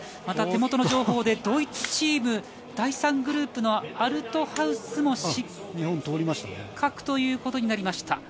手元の情報でドイツチーム第３グループのアルトハウスも失格ということになりました。